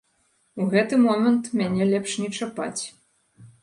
У гэты момант мяне лепш не чапаць.